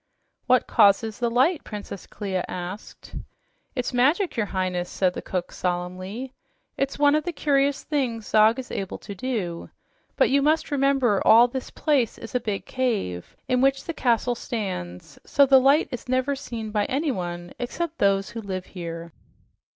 "What causes the light?" Princess Clia asked. "It's magic, your Highness," said the cook solemnly. "It's one of the curious things Zog is able to do. But you must remember all this place is a big cave in which the castle stands, so the light is never seen by anyone except those who live here."